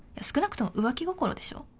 少なくとも浮気心でしょ。